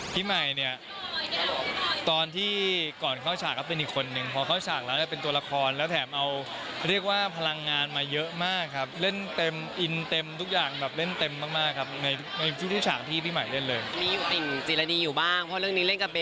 พี่ใหม่เนี่ยตอนที่ก่อนเข้าฉากก็เป็นอีกคนนึงพอเข้าฉากแล้วจะเป็นตัวละครและแถมเอาเรื่องว่าพลังงามมาเยอะมากเล่นเต็มอินเต็มทุกอย่างเต็มมากครับในช่วงที่ฉากที่พี่ใหม่เล่น